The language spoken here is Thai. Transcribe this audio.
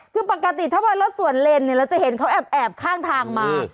คือปกติถ้าวันแล้วสวนเลนเนี้ยแล้วจะเห็นเขาแอบแอบข้างทางมา